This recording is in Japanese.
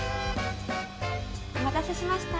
おまたせしました！